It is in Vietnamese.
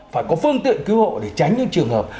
phải có phương tiện cứu hộ để tránh những trường hợp